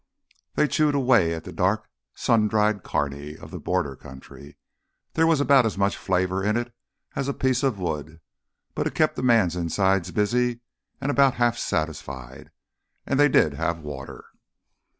They chewed away at the dark sun dried carne of the border country. There was about as much flavor in it as in a piece of wood, but it kept a man's insides busy and about half satisfied. And they did have water.